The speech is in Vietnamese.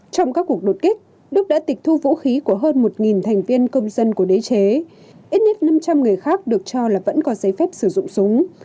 trong các cuộc đột kích đức đã tịch thu vũ khí của hơn một thành viên công dân của đế chế ít nhất năm trăm linh người khác được cho là vẫn có giấy phép sử dụng súng